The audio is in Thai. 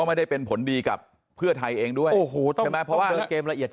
ไม่ได้เป็นผลดีกับเพื่อไทยเองด้วยโอ้หู้เป็นเกมละเอียด